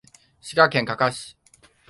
滋賀県甲賀市